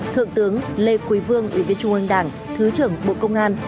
thượng tướng lê quý vương ủy viên trung ương đảng thứ trưởng bộ công an